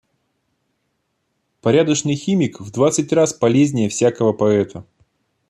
Порядочный химик в двадцать раз полезнее всякого поэта.